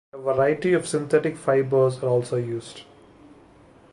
A variety of synthetic fibres are also used.